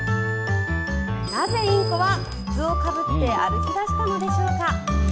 なぜインコは筒をかぶって歩き出したのでしょうか。